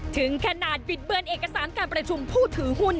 ถึงขนาดบิดเบือนเอกสารการประชุมผู้ถือหุ้น